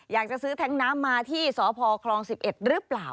อยากจะซื้อแท้งน้ำมาที่สพคลอง๑๑หรือเปล่า